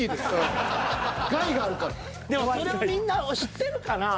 でもそれをみんな知ってるかな？